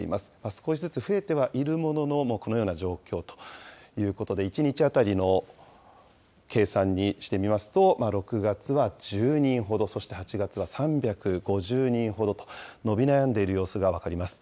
少しずつ増えてはいるものの、このような状況ということで、１日当たりの計算にしてみますと、６月は１０人ほど、そして８月は３５０人ほどと、伸び悩んでいる様子が分かります。